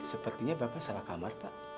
sepertinya bapak salah kamar pak